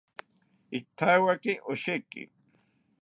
Ithawaki osheki